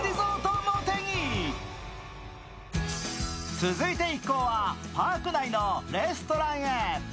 続いて一行はパーク内のレストランへ。